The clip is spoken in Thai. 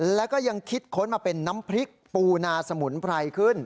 แล้วก็ยังคิดค้นมาเป็นน้ำพริกปูนาสมุนไพรขึ้น